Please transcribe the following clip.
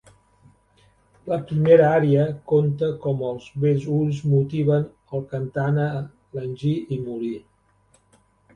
La primera ària conta com els bells ulls motiven el cantant a llanguir i morir.